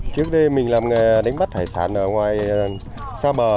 trước đây mình làm nghề đánh bắt hải sản ở ngoài xa bờ